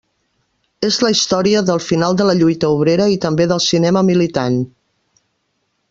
És la història del final de la lluita obrera i també del cinema militant.